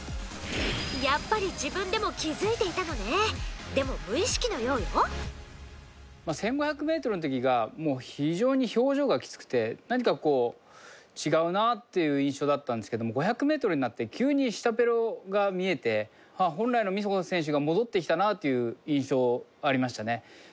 やっぱり自分でも気付いていたのねでも、無意識のようよ１５００ｍの時がもう、非常に表情がきつくて何かこう、違うなっていう印象だったんですけども５００ｍになって急に舌ペロが見えて本来の美帆選手が戻ってきたなっていう印象ありましたね。